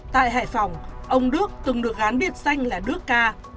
tại hải phòng ông đức từng được án biệt danh là đức ca